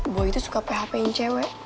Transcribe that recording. boy itu suka php in cewek